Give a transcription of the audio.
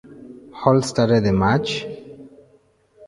Hall started the match.